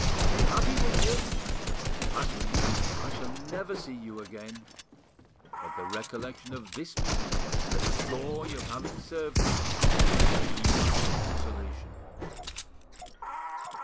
Be happy with him! As for me, I shall never see you again; but the recollection of this meeting, the joy of having served you, will be my consolation."